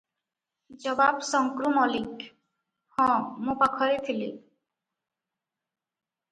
ଜବାବ ଶଙ୍କ୍ରୁ ମଳିକ - ହଁ, ମୁଁ ପାଖରେ ଥିଲି ।